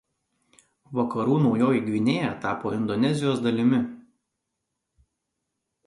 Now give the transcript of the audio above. Vakarų Naujoji Gvinėja tapo Indonezijos dalimi.